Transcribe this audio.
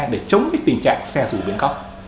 để chống cái tình trạng xe rủi bến cóc